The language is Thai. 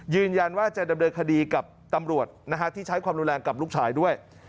ยืนยันว่าจะดำเนินคดีกับตำรวจที่ใช้ความรุนแรงกับลูกชายด้วย